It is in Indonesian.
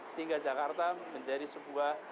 sehingga jakarta menjadi sebuah